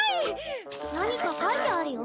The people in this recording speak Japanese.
何か書いてあるよ。